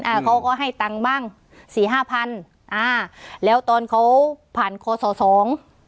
อ่าเขาก็ให้ตังค์บ้างสี่ห้าพันอ่าแล้วตอนเขาผ่านคอสอสอง